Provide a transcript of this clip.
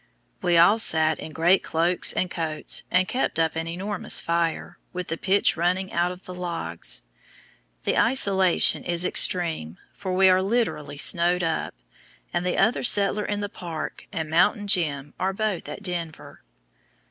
We all sat in great cloaks and coats, and kept up an enormous fire, with the pitch running out of the logs. The isolation is extreme, for we are literally snowed up, and the other settler in the Park and "Mountain Jim" are both at Denver.